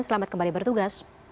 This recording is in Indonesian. selamat kembali bertugas